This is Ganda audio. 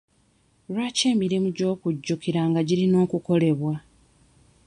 Lwaki emirimu gy'okujjukiranga girina okukolebwa?